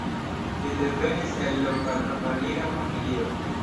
Li devenis el loka kavalira familio.